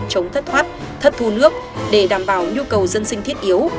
chống thất thoát thất thu nước để đảm bảo nhu cầu dân sinh thiết yếu